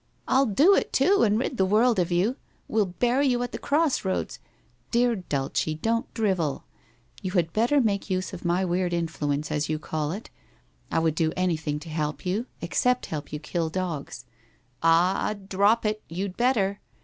I'll do it too and rid the world of you. We'll bury you at the cross roads '' Dear Dulce, don't drivel. You had far better make WHITE ROSE OF WEARY LEAF 125 use of my weird influence as you call it. I would do anything to help yon, except help you to kill dogs. ... Ah h ! Drop it !' You'd better